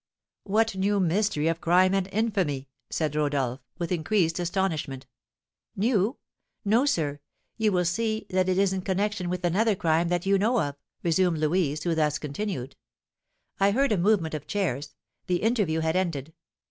"What new mystery of crime and infamy?" said Rodolph, with increased astonishment. "New? No, sir, you will see that it is in connection with another crime that you know of," resumed Louise, who thus continued: "I heard a movement of chairs, the interview had ended.